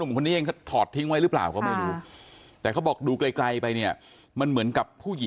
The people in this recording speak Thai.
มันก็เหมือนเสื้อนะ